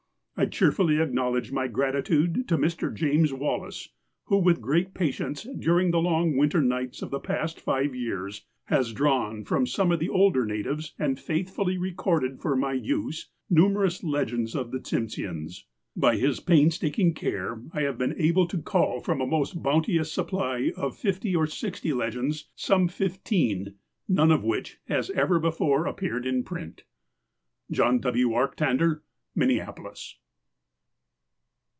I cheerfully acknowledge my gratitude to Mr. James Wallace, who, with great patience, during the long win ter nights of the past five years, has drawn from some of the older natives, and faithfully recorded for my use, numerous legends of the Tsimsheans. By his painstak ing care, I have been enabled to cull from a most boun teous supply of fifty or sixty legends, some fifteen, none of which has ever before appeared in print. Jno. W. ArctandeEo Minneapolis.